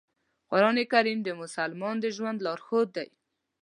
قرآن کریم د مسلمان د ژوند لارښود دی.